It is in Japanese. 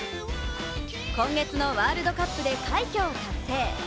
今月のワールドカップで快挙を達成。